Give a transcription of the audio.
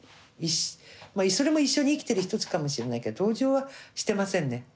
それも一緒に生きてる一つかもしれないけど同情はしてませんね。